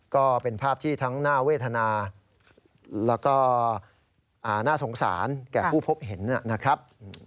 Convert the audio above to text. ก็เป็นภาพที่ทั้งน่าเวทนาแล้วก็น่าสงสารแก่ผู้พบเห็นนะครับ